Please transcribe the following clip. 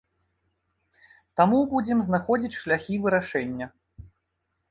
Таму будзем знаходзіць шляхі вырашэння.